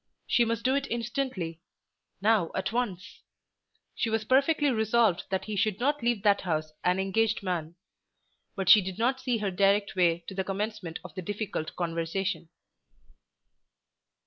She must do it instantly; now at once. She was perfectly resolved that he should not leave that house an engaged man. But she did not see her direct way to the commencement of the difficult conversation.